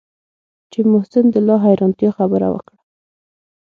چې محسن د لا حيرانتيا خبره وکړه.